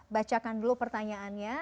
bacakan dulu pertanyaannya